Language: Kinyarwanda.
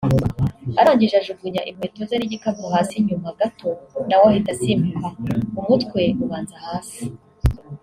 arangije ajugunya inkweto ze n’igikapu hasi nyuma gato nawe ahita asimbuka umutwe ubanza hasi”